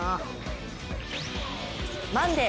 マンデー。